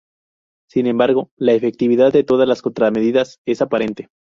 Sin embargo, la efectividad de todas las contramedidas es aparente.